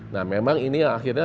nah memang ini akhirnya